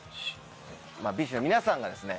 ＢｉＳＨの皆さんがですね